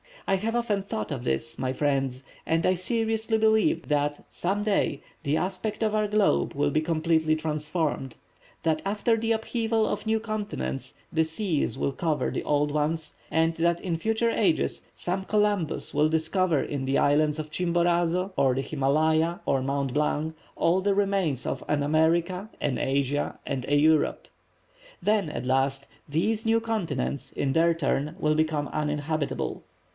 I have often thought of this, my friends, and I seriously believe that, some day, the aspect of our globe will be completely transformed, that after the upheaval of new continents the seas will cover the old ones, and that in future ages some Columbus will discover in the islands of Chimborazo or the Himalaya, or Mount Blanc, all that remains of an America, an Asia, and a Europe. Then at last, these new continents, in their turn, will become uninhabitable.